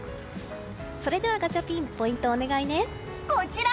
それではガチャピンポイントをお願いね。